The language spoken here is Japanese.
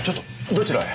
どちらへ？